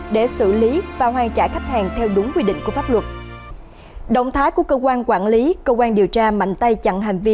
để xây dựng cái dự án a